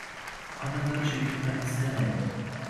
I am allergic to penicillin.